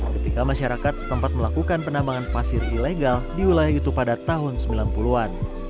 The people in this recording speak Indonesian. ketika masyarakat setempat melakukan penambangan pasir ilegal di wilayah itu pada tahun sembilan puluh an